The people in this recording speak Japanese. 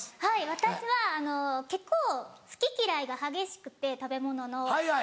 私は結構好き嫌いが激しくて食べ物の。